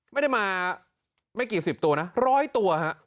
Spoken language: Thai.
ไม่ได้มาไม่กี่สิบตัวนะ๑๐๐ตัว